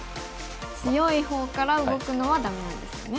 強い方から動くのはダメなんですよね。